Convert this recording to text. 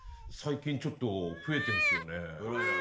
最近ちょっと増えてんすよねえ。